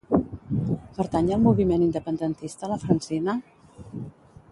Pertany al moviment independentista la Francina?